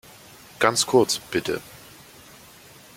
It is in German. Ganz kurz, bitte.